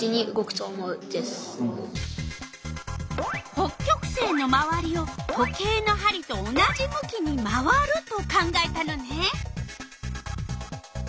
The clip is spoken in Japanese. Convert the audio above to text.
北極星のまわりを時計のはりと同じ向きに回ると考えたのね。